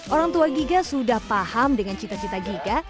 orang tua giga sudah paham dengan cita cita giga